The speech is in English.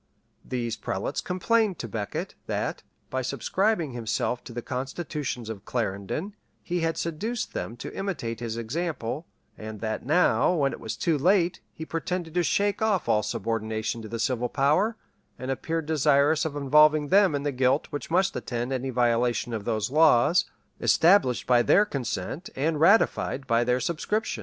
These prelates complained to Becket, that, by subscribing himself to the constitutions of Clarendon, he had seduced them to imitate his example; and that now, when it was too late, he pretended to shake off all subordination to the civil power, and appeared desirous of involving them in the guilt which must attend any violation of those laws, established by their consent and ratified by their subscriptions.